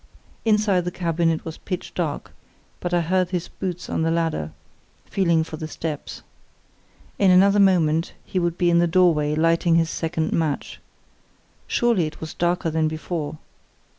Inside the cabin it was pitch dark, but I heard his boots on the ladder, feeling for the steps. In another moment he would be in the doorway lighting his second match. Surely it was darker than before?